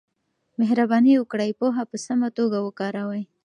مهرباني وکړئ پوهه په سمه توګه وکاروئ.